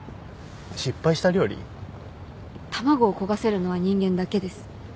卵を焦がせるのは人間だけです。